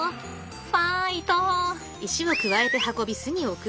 ファイト！